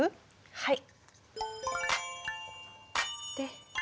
はい。